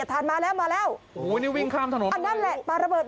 อันนั้นมันคืออะไร